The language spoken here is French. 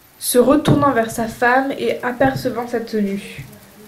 Se retournant vers sa femme et apercevant sa tenue.